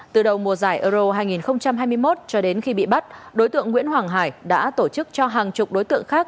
từ đầu mùa giải euro hai nghìn hai mươi một cho đến khi bị bắt đối tượng nguyễn hoàng hải đã tổ chức cho hàng chục đối tượng khác